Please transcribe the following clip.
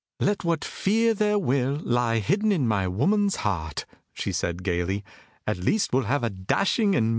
"Let what fear there will, lie hidden in my woman's heart," she said gaily, "at least we'll have a dashing and a martial outside!"